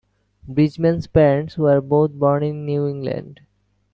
Bridgman's parents were both born in New England.